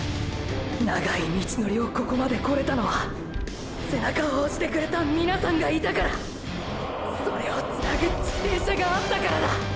長い道のりをここまでこれたのは背中を押してくれた皆さんがいたからそれをつなぐ自転車があったからだ！！